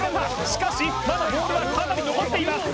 しかしまだボールはかなり残っています